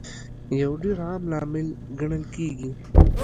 یو ډېر عام لامل ګڼل کیږي